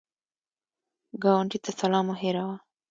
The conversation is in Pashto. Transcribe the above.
ګاونډي ته سلام مه هېروه